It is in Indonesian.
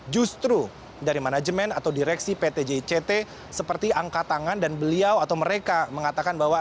justru dari manajemen atau direksi pt jict seperti angkat tangan dan beliau atau mereka mengatakan bahwa